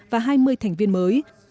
và hai mươi thành viên mới